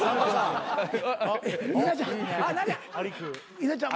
稲ちゃん